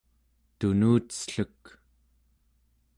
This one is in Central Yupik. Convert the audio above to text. tunucellek